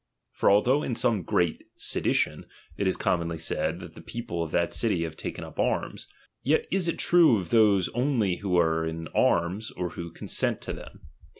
For although in some great sedition, it is cora monly said, that the people of that city have taken up arms ; yet is it true of those only who are in anus, or who consent to them.